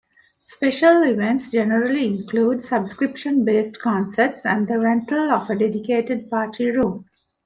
Special events generally include subscription-based concerts and the rental of a dedicated party room.